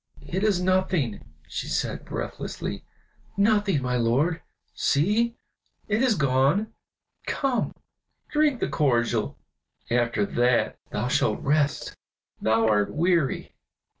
"It is nothing!" she said, breathlessly, "nothing, my lord! See! it is gone. Come, drink the cordial, after that thou shalt rest; thou art weary."